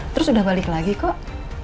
terus sudah balik lagi kok